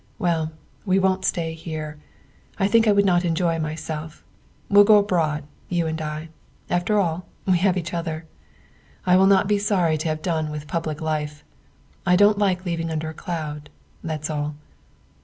Well, we won't stay here. I think I would not enjoy it myself. We'll go abroad, you and I ; after all, we have each other. I will not be sorry to have done with public life. I don't like leaving under a cloud, that's all."